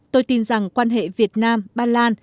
tôi tin rằng quan hệ việt nam ba lan